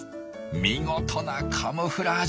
見事なカムフラージュ！